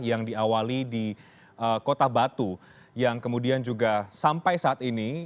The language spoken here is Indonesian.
yang diawali di kota batu yang kemudian juga sampai saat ini